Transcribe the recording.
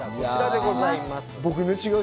こちらでございます。